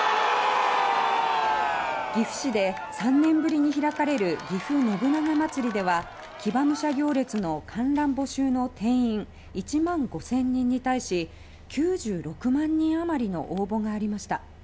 岐阜市で３年ぶりに開かれるぎふ信長まつりでは騎馬武者行列の観覧募集の定員１万５０００人に対し９６万人あまりの応募がありました。